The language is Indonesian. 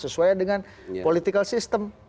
sesuai dengan political system